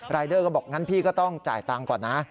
เดอร์ก็บอกงั้นพี่ก็ต้องจ่ายตังค์ก่อนนะ